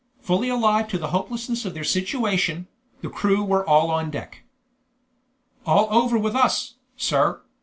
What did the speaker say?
Fully alive to the hopelessness of their situation, the crew were all on deck. "All over with us, sir!"